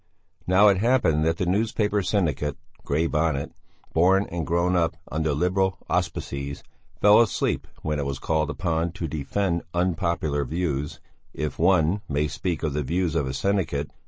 Now it happened that the newspaper syndicate Grey Bonnet, born and grown up under Liberal auspices, fell asleep when it was called upon to defend unpopular views if one may speak of the views of a syndicate.